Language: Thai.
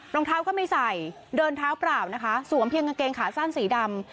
รองเท้าก็ไม่ใส่เดินเท้าเปล่านะคะสวมเพียงกางเกงขาสั้นสีดำ